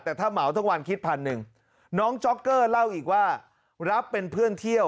แต่ถ้าเหมาทั้งวันคิดพันหนึ่งน้องจ๊อกเกอร์เล่าอีกว่ารับเป็นเพื่อนเที่ยว